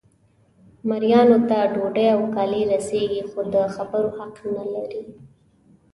مریانو ته ډوډۍ او کالي رسیږي خو د خبرو حق نه لري.